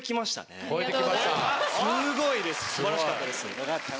すごいです素晴らしかったです。